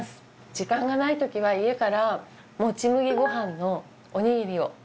時間がない時は家からもち麦ご飯のおにぎりを持ってきたりしますね。